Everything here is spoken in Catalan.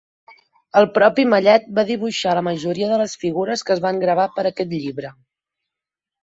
El propi Mallet va dibuixar la majoria de les figures que es van gravar per a aquest llibre.